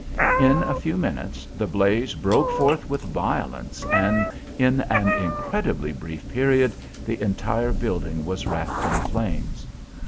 In a few minutes the blaze broke forth with violence, and in an incredibly brief period the entire building was wrapped in flames.